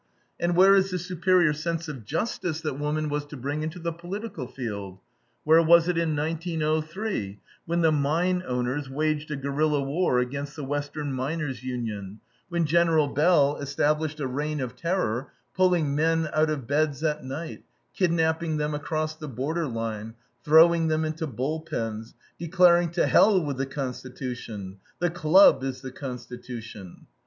And where is the superior sense of justice that woman was to bring into the political field? Where was it in 1903, when the mine owners waged a guerilla war against the Western Miners' Union; when General Bell established a reign of terror, pulling men out of beds at night, kidnapping them across the border line, throwing them into bull pens, declaring "to hell with the Constitution, the club is the Constitution"?